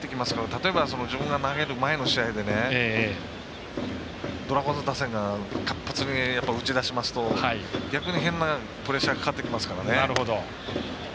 例えば、自分が投げる前の試合でドラゴンズ打線が活発に打ち出しますと逆に変なプレッシャーかかってきますからね。